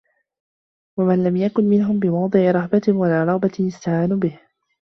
وَمَنْ لَمْ يَكُنْ مِنْهُمْ بِمَوْضِعِ رَهْبَةٍ وَلَا رَغْبَةٍ اسْتَهَانُوا بِهِ